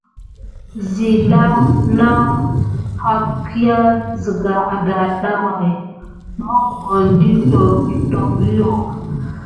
Zila na hakuya siga adada way mokone di toryo.